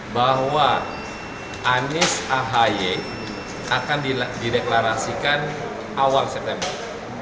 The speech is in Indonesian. bahwa anies ahy akan dideklarasikan awal september